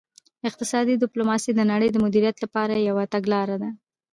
اقتصادي ډیپلوماسي د نړۍ د مدیریت لپاره یوه تګلاره ده